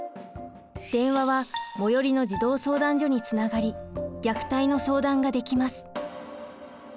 電話は最寄りの児童相談所につながり虐待の相談ができます。